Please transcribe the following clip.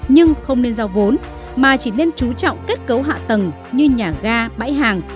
nhưng không nên giao vốn mà chỉ nên chú trọng kết cấu hạ tầng như nhà ga bãi hàng